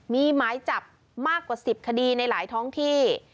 มีหมายจับมากกว่า๑๐คดีในหลายท้องที่